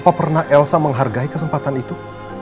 apa pernah elsa menghargai kesempatan itu